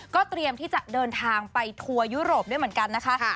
เตรียมที่จะเดินทางไปทัวร์ยุโรปด้วยเหมือนกันนะคะ